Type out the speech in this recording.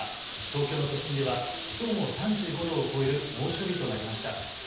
東京の都心ではきょうも３５度を超える猛暑日となりました。